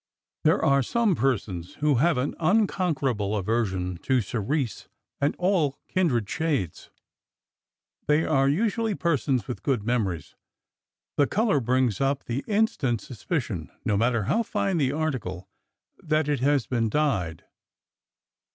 There are some persons who have an unconquerable aversion to cerise and all kindred shades. They are usu ally persons with good memories. The color brings up the instant suspicion, no matter how fine the article, that it has been dyed!